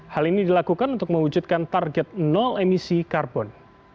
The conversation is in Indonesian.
hal ini dilakukan untuk mewujudkan target nol emisi karbon